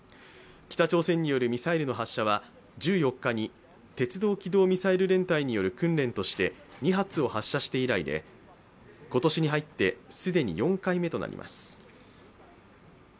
北朝鮮によるミサイルの発射は１４日に鉄道機動ミサイル連隊による訓練として２発を発射して以来で、今年に入って既に４回目となります。